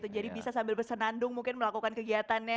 jadi bisa sambil bersenandung mungkin melakukan kegiatannya